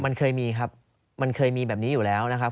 มันเคยมีครับมันเคยมีแบบนี้อยู่แล้วนะครับ